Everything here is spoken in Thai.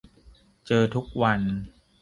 เจอทุกวัน